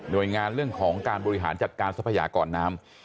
โดยงานเรื่องของการบริหารจัดการทรัพยากรน้ำ